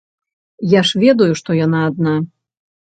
Я ж ведаю, што яна адна.